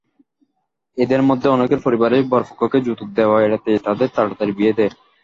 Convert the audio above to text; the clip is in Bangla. এদের মধ্যে অনেকের পরিবারই বরপক্ষকে যৌতুক দেওয়া এড়াতে তাদের তাড়াতাড়ি বিয়ে দেয়।